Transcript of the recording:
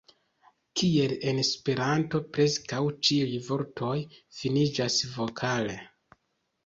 Kiel en Esperanto, preskaŭ ĉiuj vortoj finiĝas vokale.